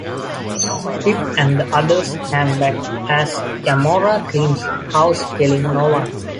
Pip and the others hang back as Gamora cleans house, killing no one.